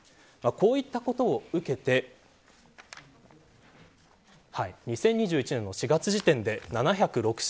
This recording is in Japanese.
こういったことを受けて２０２１年４月時点で７０６社